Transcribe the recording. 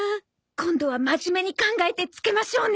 今度は真面目に考えてつけましょうね。